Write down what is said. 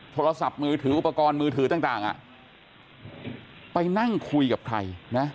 โทรศัพท์มือถืออุปกรณ์มือถือต่างไปนั่งคุยกับใครนะ